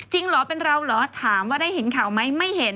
เหรอเป็นเราเหรอถามว่าได้เห็นข่าวไหมไม่เห็น